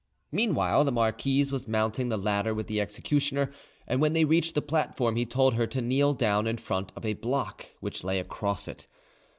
Meanwhile the marquise was mounting the ladder with the executioner, and when they reached the platform he told her to kneel down in front of a block which lay across it.